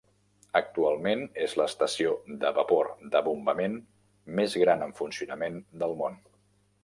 Actualment és l'estació de vapor de bombament més gran en funcionament del món.